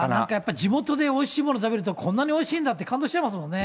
地元でおいしいもの食べると、こんなにおいしいんだって感動しましたもんね。